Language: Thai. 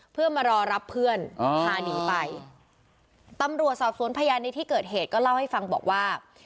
เพื่อมารอรับเพื่อนพาหนีไปตำรวจสอบสวนพยานในที่เกิดเหตุก็เล่าให้ฟังบอกว่า